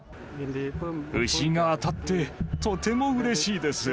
牛が当たってとてもうれしいです。